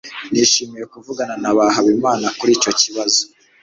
nishimiye kuvugana na habimana kuri icyo kibazo